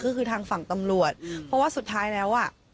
ก็คือทางฝั่งตำรวจเพราะว่าสุดท้ายแล้วอ่ะ